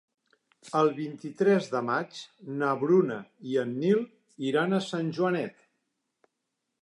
El vint-i-tres de maig na Bruna i en Nil iran a Sant Joanet.